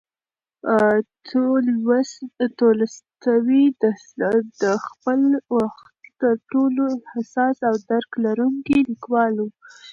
تولستوی د خپل وخت تر ټولو حساس او درک لرونکی لیکوال و.